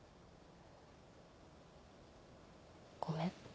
ごめん。